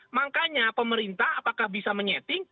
makanya pemerintah apakah bisa menyetting